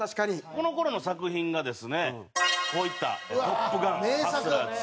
この頃の作品がですねこういった『トップガン』『ハスラー２』『カクテル』。